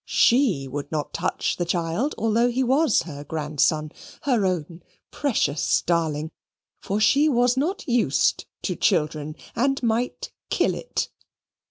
SHE would not touch the child although he was her grandson, and own precious darling, for she was not USED to children, and might kill it.